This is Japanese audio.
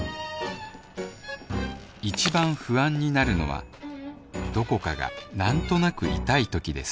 一番不安になるのはどこかがなんとなく痛い時です